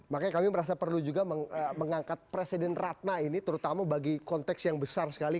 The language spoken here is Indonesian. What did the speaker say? makanya kami merasa perlu juga mengangkat presiden ratna ini terutama bagi konteks yang besar sekali